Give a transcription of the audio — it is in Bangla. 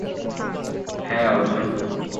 হ্যা, অর্জুন!